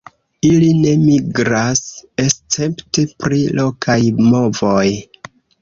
Ili ne migras escepte pri lokaj movoj.